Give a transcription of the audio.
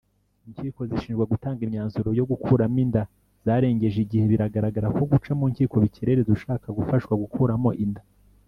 Inkiko zishinjwa gutanga imyanzuro yo gukuramo inda zarengeje igiheBiragaragara ko guca mu nkiko bikerereza ushaka gufashwa gukuramo inda